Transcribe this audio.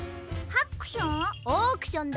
ハックション？